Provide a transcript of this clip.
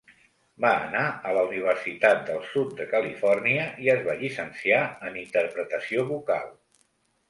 Va anar a la Universitat del Sud de Califòrnia i es va llicenciar en Interpretació vocal.